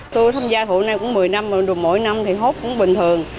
tôi tham gia hộ này cũng một mươi năm rồi mỗi năm thì hốt cũng bình thường